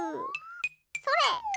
それ！